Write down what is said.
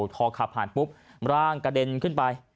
พอขับผ่านปุ๊บร่างกระเด็นขึ้นไป